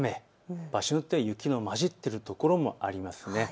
場所によっては雪の交じっている所もあります。